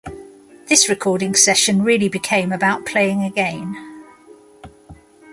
This recording session really became about playing again.